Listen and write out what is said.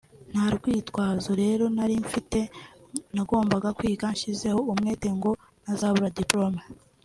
nta rwitwazo rero nari mfite nagombaga kwiga nshyizeho umwete ngo ntazabura Diplome…